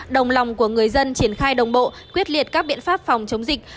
đồng lòng của người dân triển khai đồng bộ quyết liệt các biện pháp phòng chống dịch